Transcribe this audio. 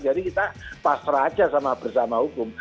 jadi kita pasrah saja bersama hukum